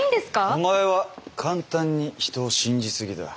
お前は簡単に人を信じすぎだ。